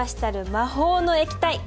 魔法の液体！